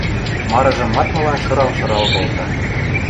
марыжым мадмыла шырал-шырал колта.